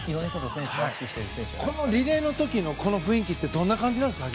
このリレーの時のこの雰囲気ってどんな感じなんですか？